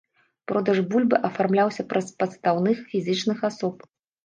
Продаж бульбы афармляўся праз падстаўных фізічных асоб.